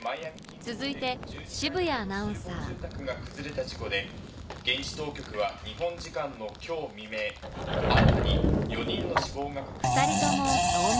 続いて澁谷アナウンサー崩れた事故で現地当局は日本時間の今日未明新たに４人の死亡が。